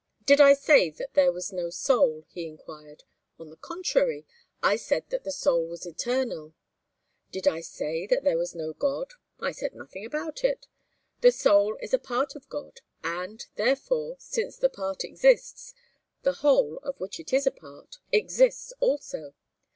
"Did I say that there was no soul?" he enquired. "On the contrary, I said that the soul was eternal. Did I say that there was no God? I said nothing about it. The soul is a part of God, and, therefore, since the part exists, the Whole, of which it is a part, exists also.